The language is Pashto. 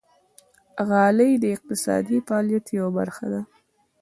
غالۍ د اقتصادي فعالیت یوه برخه ده.